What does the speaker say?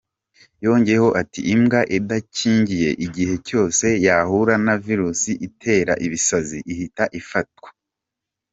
Yongeye ati “Imbwa idakingiye igihe cyose yahura na Virus itera ibisazi, ihita ifatwa.